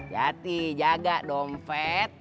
jadi jaga dompet